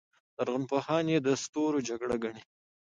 لرغونپوهان یې د ستورو جګړه ګڼي.